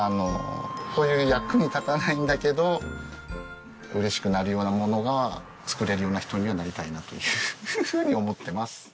そういう役に立たないんだけど嬉しくなるようなものが作れるような人にはなりたいなというふうに思ってます。